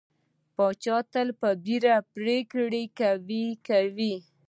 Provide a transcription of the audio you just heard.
پاچا تل په بېړه باندې پرېکړه کوي کوي.